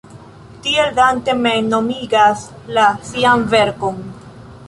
Tiel Dante mem nomigas la sian verkon.